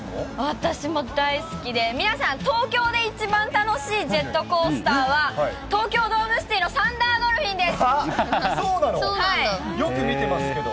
私も大好きで、皆さん、東京で一番楽しいジェットコースターは、東京ドームシティのサンダードルフィンです。